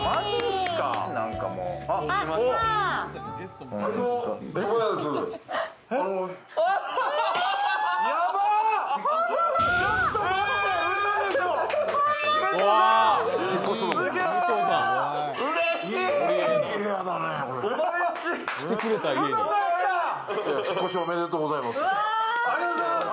本物だありがとうございます！